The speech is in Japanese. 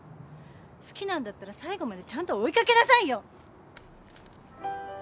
好きなんだったら最後までちゃんと追い掛けなさいよ。